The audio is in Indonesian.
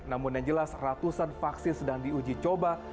namun yang jelas ratusan vaksin sedang diuji coba